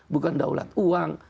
bukan daulat uang